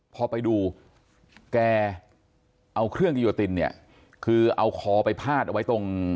พอไปดูแกเอาเครื่องกิโยตินเนี่ยคือเอาคอไปพาดเอาไว้ตรง